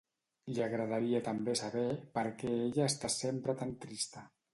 Li agradaria també saber per què ella està sempre tan trista.